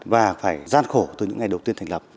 và phải gian khổ từ những ngày đầu tiên thành lập